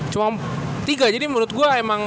cuma tiga jadi menurut gue emang